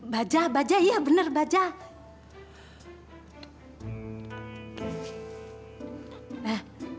bajai bajai iya bener bajai